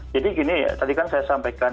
jadi gini tadi kan saya sampaikan